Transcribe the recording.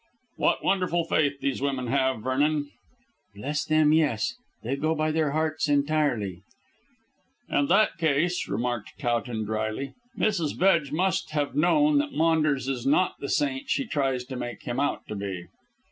"What wonderful faith these women have, Vernon." "Bless them, yes. They go by their hearts entirely." "In that case," remarked Towton drily, "Mrs. Bedge must have known that Maunders is not the saint she tries to make him out to be."